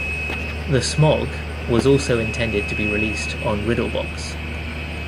"The Smog" was also intended to be released on Riddle Box.